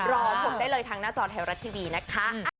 รอชมได้เลยทางหน้าจอไทยรัฐทีวีนะคะ